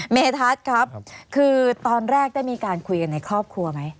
เมทัศน์ครับคือตอนแรกได้มีการคุยกันในครอบครัวไหม